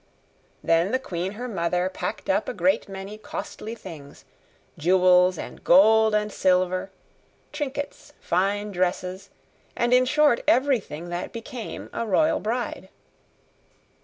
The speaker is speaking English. Then the queen her mother, packed up a great many costly things; jewels, and gold, and silver; trinkets, fine dresses, and in short everything that became a royal bride.